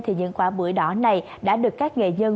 thì những quả bưởi đỏ này đã được các nghệ dân